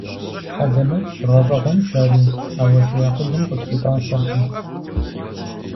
Хьэлэмэтщ, гъэщӀэгъуэнщ ари, ауэ си акъылым къысхуитӀасэркъым.